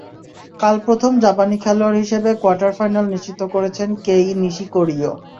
কাল প্রথম জাপানি খেলোয়াড় হিসেবে কোয়ার্টার ফাইনাল নিশ্চিত করেছেন কেই নিশিকোরিও।